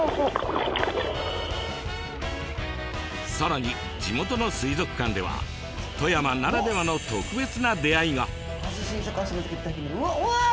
さらに地元の水族館では富山ならではの特別な出会いが。